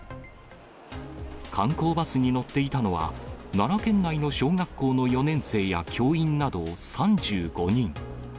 観光バスに乗っていたのは、奈良県内の小学校の４年生や教員など３５人。